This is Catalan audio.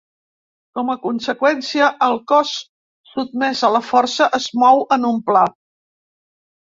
Com a conseqüència, el cos sotmès a la força es mou en un pla.